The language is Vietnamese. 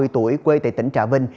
ba mươi tuổi quê tại tỉnh trà vinh